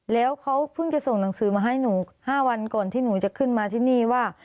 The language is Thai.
แล้วเขาเพิ่งจะส่งหนังสือมาให้หนู๕วันก่อนที่หนูจะขึ้นมาที่นี่ว่า